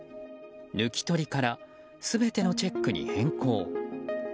抜き取りから全てのチェックに変更。